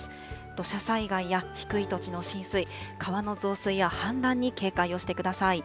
土砂災害や低い土地の浸水、川の増水や氾濫に警戒をしてください。